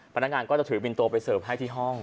พนักงานก็จะถือบินโตไปเสิร์ฟให้ที่ห้อง